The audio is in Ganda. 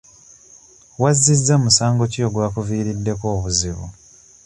Wazzizza musango ki ogwakuviiriddeko obuzibu?